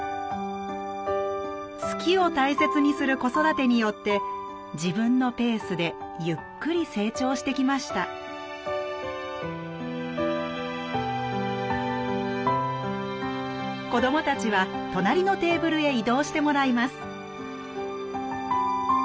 「好き」を大切にする子育てによって自分のペースでゆっくり成長してきました子どもたちは隣のテーブルへ移動してもらいます